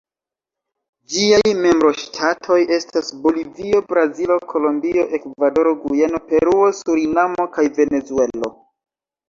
Ĝiaj membroŝtatoj estas Bolivio, Brazilo, Kolombio, Ekvadoro, Gujano, Peruo, Surinamo kaj Venezuelo.